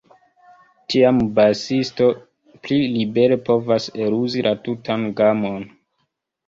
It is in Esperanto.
Tiam basisto pli libere povas eluzi la tutan gamon.